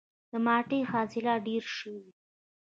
د مالټې حاصلات ډیر شوي؟